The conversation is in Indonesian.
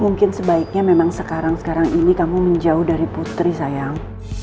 mungkin sebaiknya memang sekarang sekarang ini kamu menjauh dari putri sayang